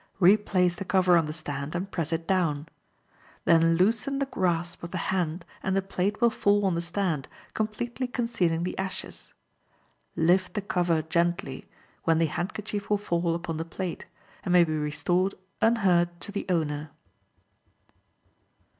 Replace the cover on the stand, and press it down. Then loosen the grasp of the hand and the plate will fall on the stand, completely concealing the ashes. Lift the cover gently, when the handkerchief will fall upon the plate, and may be restored unhurt to the owner.